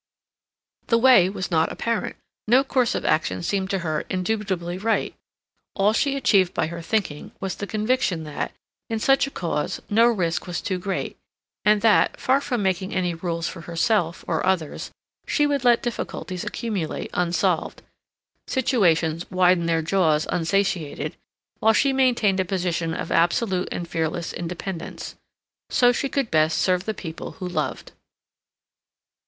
The way was not apparent. No course of action seemed to her indubitably right. All she achieved by her thinking was the conviction that, in such a cause, no risk was too great; and that, far from making any rules for herself or others, she would let difficulties accumulate unsolved, situations widen their jaws unsatiated, while she maintained a position of absolute and fearless independence. So she could best serve the people who loved.